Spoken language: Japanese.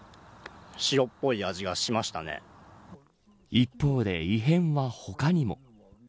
一方で、異変は他にも。